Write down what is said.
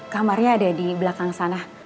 kamarnya ada di belakang sana